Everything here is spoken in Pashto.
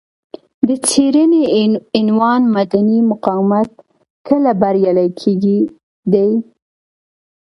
د څېړنې عنوان مدني مقاومت کله بریالی کیږي دی.